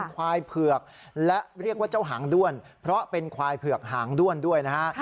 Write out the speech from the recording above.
ควายเผือกและเรียกว่าเจ้าหางด้วนเพราะเป็นควายเผือกหางด้วนด้วยนะฮะ